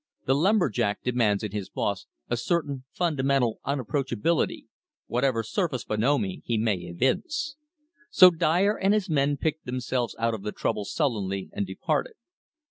The lumber jack demands in his boss a certain fundamental unapproachability, whatever surface bonhomie he may evince. So Dyer and his men picked themselves out of the trouble sullenly and departed.